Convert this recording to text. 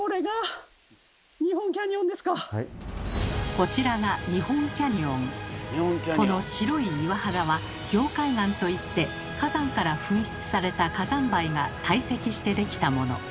こちらがこの白い岩肌は凝灰岩といって火山から噴出された火山灰が堆積してできたもの。